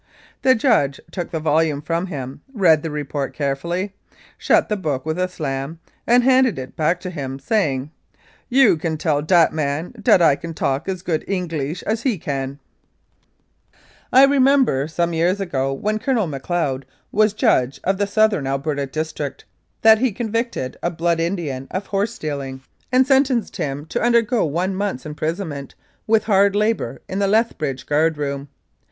The judge took the volume from him, read the report carefully, shut the book with a slam, and handed it back to him, saying, "You can tell dat man dat I can talk as good Engleesh as he can !"I remember, some years ago, when Colonel Macleod was judge of the Southern Alberta District, that he convicted a Blood Indian of horse stealing, and sen 285 Mounted Police Life in Canada tenced him to undergo one month's imprisonment with hard labour in the Lethbridge guard room.